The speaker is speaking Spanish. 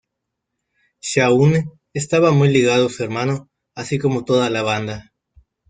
Shaun estaba muy ligado a su hermano, así como toda la banda.